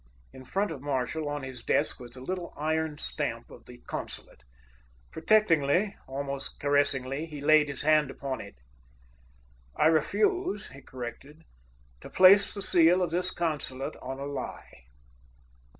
] In front of Marshall, on his desk, was the little iron stamp of the consulate. Protectingly, almost caressingly, he laid his hand upon it. "I refuse," he corrected, "to place the seal of this consulate on a lie."